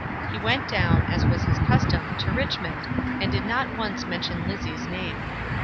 He went down, as was his custom, to Richmond, and did not once mention Lizzie's name.